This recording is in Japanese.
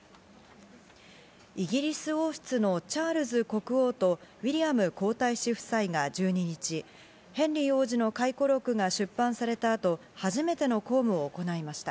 イギリス王室のチャールズ国王とウィリアム皇太子夫妻が１２日、ヘンリー王子の回顧録が出版された後、初めての公務を行いました。